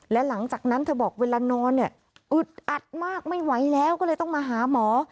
และหลังจากนั้นเธอบอกเวลานอนเนี่ยอึดอัดมากไม่ไหวแล้วก็เลยต้องมาหาหมอ